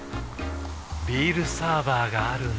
ビールサーバーがある夏。